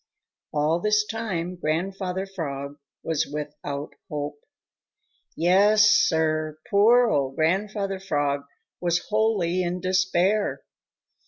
All this time Grandfather Frog was without hope. Yes, Sir, poor old Grandfather Frog was wholly in despair.